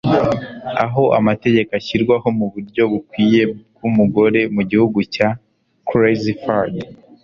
Aho amategeko ashyirwaho muburyo bukwiye bwumugore mugihugu cya Crazy Fad